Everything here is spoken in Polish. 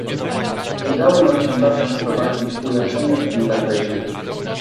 Udało nam się zatem wprowadzić ulepszenia w tym zakresie